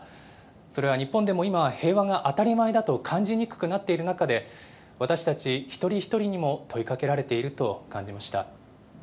それは日本でも今は平和が当たり前だと感じにくくなっている中で、私たち一人一人にも問いかけられていると感じました。